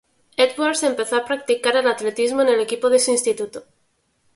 Edwards empezó a practicar el atletismo en el equipo de su instituto.